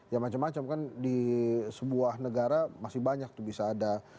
ya macam macam kan di sebuah negara masih banyak tuh bisa ada